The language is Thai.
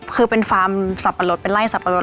คือเป็นฟาร์มสับปะรดเป็นไล่สับปะรด